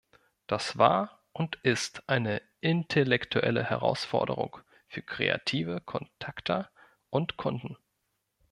Das war und ist eine intellektuelle Herausforderung für kreative Contacter und Kunden.